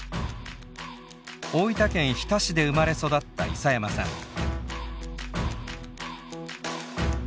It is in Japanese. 大分県日田市で生まれ育った諫山さん。